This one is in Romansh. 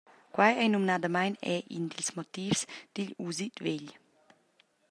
Quei ei numnadamein era in dils motivs digl usit vegl.